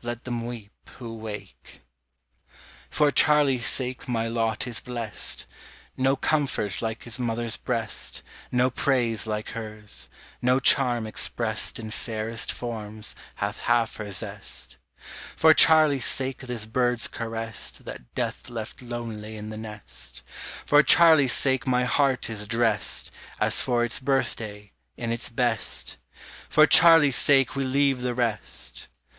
Let them weep who wake. For Charlie's sake my lot is blest: No comfort like his mother's breast, No praise like hers; no charm expressed In fairest forms hath half her zest. For Charlie's sake this bird's caressed That death left lonely in the nest; For Charlie's sake my heart is dressed, As for its birthday, in its best; For Charlie's sake we leave the rest.